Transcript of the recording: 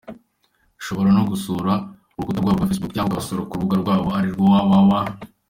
Ushobora no gusura urukuta rwabo rwa facebook cyangwa ukabasura ku rubuga rwabo arirwo www.